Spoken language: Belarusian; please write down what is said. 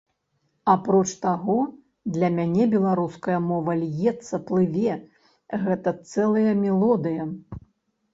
Апроч таго, для мяне беларуская мова льецца, плыве, гэта цэлая мелодыя.